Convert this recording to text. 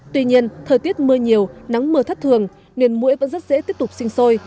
tuy nhiên thời tiết mưa nhiều nắng mưa thất thường nên mũi vẫn rất dễ tiếp tục sinh sôi